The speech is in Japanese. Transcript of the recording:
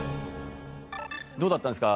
どうだったんですか？